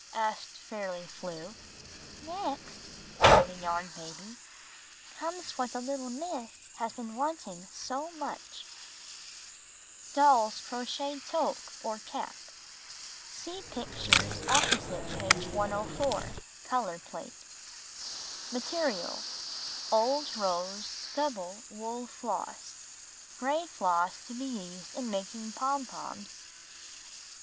asked Fairly Flew. ''Next/* said the Yarn Baby, ''comes what the little Miss has been wanting so Doll's Crocheted Toque or Cap (See pictures opposite page 104 — color plate) Material: Old rose (double) wool floss. Gray floss to be used in making pom poms.